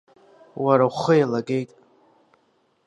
Уара ухы еилагеит!